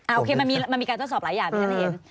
โอเคมันมีการเจ้าสอบหลายอย่างมีการเห็น